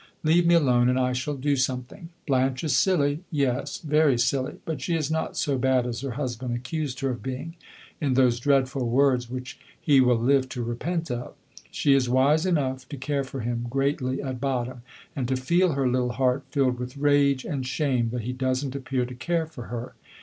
Leave me alone, and I shall do something. Blanche is silly, yes, very silly; but she is not so bad as her husband accused her of being, in those dreadful words which he will live to repent of. She is wise enough to care for him, greatly, at bottom, and to feel her little heart filled with rage and shame that he does n't appear to care for her.